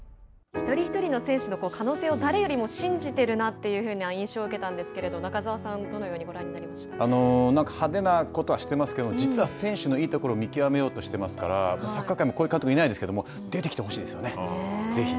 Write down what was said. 一人一人の選手の可能性を誰よりも信じてるなっていうふうな印象を受けたんですけれども中澤さん、どのようにあのーなんか派手なことはしていますけど実は選手のいいところを見極めようとしていますからサッカー界はこういう監督がいないですけれども出てきてほしいですよね。